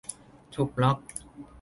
ถูกบล็อค